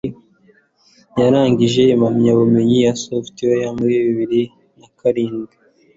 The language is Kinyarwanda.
Yarangije impamyabumenyi ya software mu bibiri na karindwi